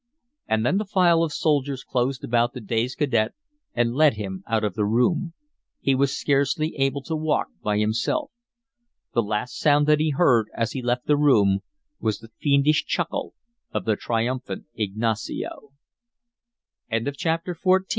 And then the file of soldiers closed about the dazed cadet and led him out of the room. He was scarcely able to walk by himself. The last sound that he heard as he left the room was the fiendish chuckle of the triumphant Ignacio. CHAPTER XV. IN MORRO CASTLE.